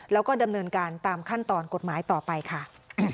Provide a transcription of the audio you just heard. แล้วก็ดำเนินการตามขั้นตอนกฎหมายต่อไปค่ะ